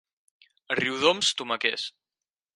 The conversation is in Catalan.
A Riudoms, tomaquers.